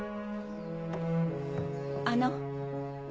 あの。